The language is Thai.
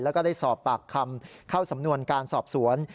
แล้วก็ได้สอบปากคำเข้าสำนวนการสอบสวน